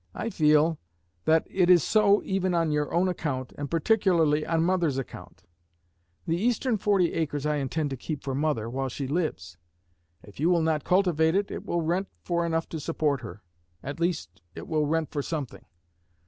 I feel that it is so even on your own account, and particularly on mother's account. The eastern forty acres I intend to keep for mother while she lives; if you will not cultivate it, it will rent for enough to support her; at least, it will rent for something.